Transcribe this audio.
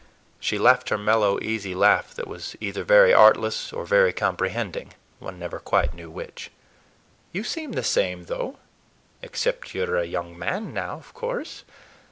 She laughed her mellow, easy laugh, that was either very artless or very comprehending, one never quite knew which. "You seem the same, though,—except you're a young man, now, of course.